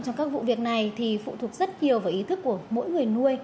trong các vụ việc này thì phụ thuộc rất nhiều vào ý thức của mỗi người nuôi